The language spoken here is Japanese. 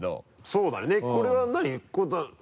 そうだねこれは何？